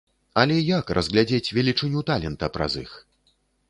Але як разглядзець велічыню талента праз іх?